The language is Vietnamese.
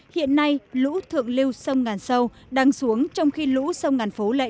hiện nay lũ thượng liêu sông ngàn sâu đang xuống trong khi lũ sông ngàn phố lại lên